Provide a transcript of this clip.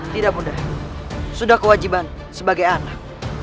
tidak mudah sudah kewajiban sebagai anak